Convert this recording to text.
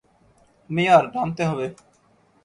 মেয়ার,- নামতে হবে।